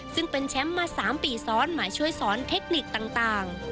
ซึ่งเป็นแชมป์มา๓ปีซ้อนมาช่วยสอนเทคนิคต่าง